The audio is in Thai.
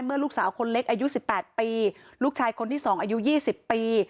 เมื่อลูกสาวคนเล็กอายุสิบแปดปีลูกชายคนที่สองอายุยี่สิบปี